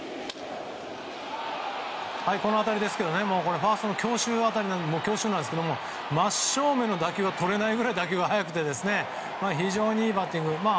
この当たりですがファーストの強襲なんですが真正面の打球がとれないぐらい打球が速くて非常にいいバッティング。